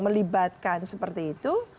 melibatkan seperti itu